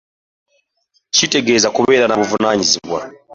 Kitegeeza kubeera na buvunaanyizibwa.